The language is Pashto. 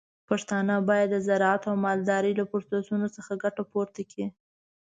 پښتانه بايد د زراعت او مالدارۍ له فرصتونو ګټه پورته کړي.